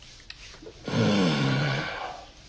うん。